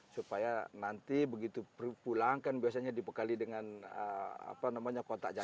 supaya nanti begitu pulang kan biasanya dibekali dengan apa namanya kotak jajan